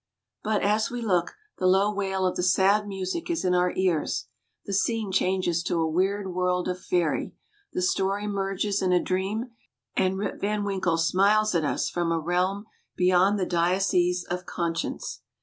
But, as we look, the low wail of the sad music is in our ears, the scene changes to a weird world of faery, the story merges in a dream, and Rip Van Winkle smiles at us from a realm beyond the diocese of conscience.